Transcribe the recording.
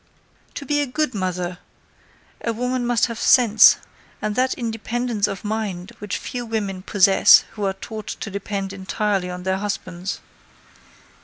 To be a good mother a woman must have sense, and that independence of mind which few women possess who are taught to depend entirely on their husbands.